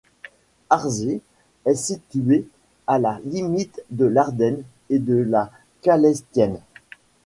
Harzé est situé à la limite de l'Ardenne et de la Calestienne.